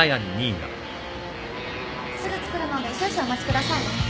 すぐ作るので少々お待ちくださいね。